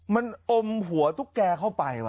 มันอมหัวตุ๊กแกเข้าไปว่